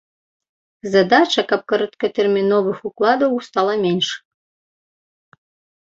Задача, каб кароткатэрміновых укладаў стала менш.